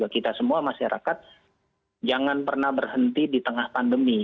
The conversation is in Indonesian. kita semua masyarakat jangan pernah berhenti di tengah pandemi